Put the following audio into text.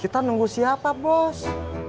kita nunggu siapa bos